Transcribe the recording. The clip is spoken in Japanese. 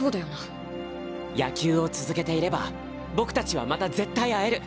野球を続けていれば僕たちはまた絶対会える。